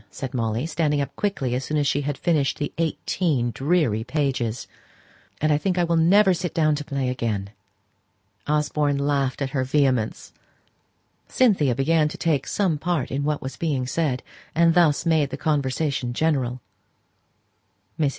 said Molly, standing up quickly as soon as she had finished the eighteen dreary pages; "and I think I will never sit down to play again!" Osborne laughed at her vehemence. Cynthia began to take some part in what was being said, and thus made the conversation general. Mrs.